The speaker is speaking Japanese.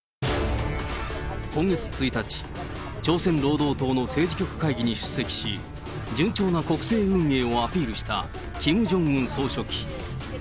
今月１日、朝鮮労働党の政治局会議に出席し、順調な国政運営をアピールしたキム・ジョンウン総書記。